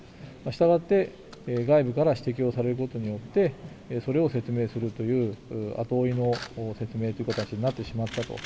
したがって外部から指摘をされることによって、それを説明するという、後追いの説明という形になってしまったと。